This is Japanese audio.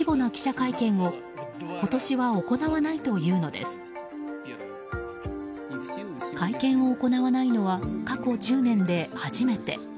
会見を行わないのは過去１０年で初めて。